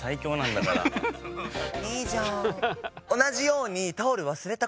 いいじゃん。